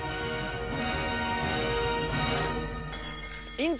院長！